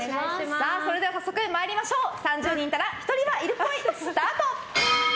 それでは、早速３０人いたら１人はいるっぽいスタート！